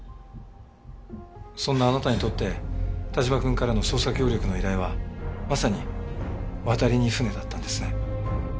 そんなあなたにとって但馬くんからの捜査協力の依頼はまさに渡りに船だったんですね。